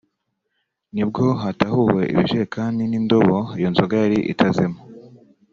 ni bwo hatahuwe ibijerekani n’indobo iyo nzoga yari itazemo